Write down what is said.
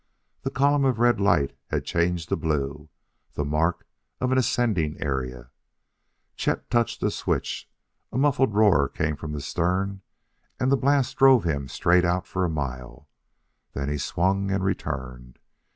The column of red light had changed to blue, the mark of an ascending area; Chet touched a switch. A muffled roar came from the stern and the blast drove him straight out for a mile; then he swung and returned.